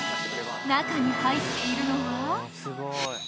［中に入っているのは？］